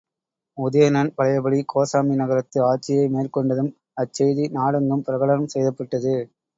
உதயணன் பழையபடி கோசாம்பி நகரத்து ஆட்சியை மேற்கொண்டதும் அச் செய்தி நாடெங்கும் பிரகடனம் செய்யப்பட்டது.